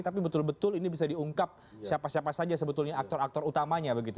tapi betul betul ini bisa diungkap siapa siapa saja sebetulnya aktor aktor utamanya begitu